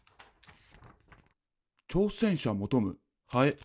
「挑戦者求むハエ」。